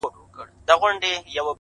• یوه ورځ به دي چیچي ـ پر سپینو لېچو ـ